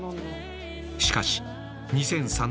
しかし２００３年。